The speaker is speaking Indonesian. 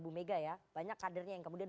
bu mega ya banyak kadernya yang kemudian